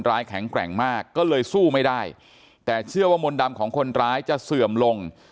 แข็งแกร่งมากก็เลยสู้ไม่ได้แต่เชื่อว่ามนต์ดำของคนร้ายจะเสื่อมลง